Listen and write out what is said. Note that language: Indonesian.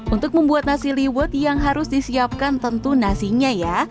untuk membuat nasi liwet yang harus disiapkan tentu nasinya ya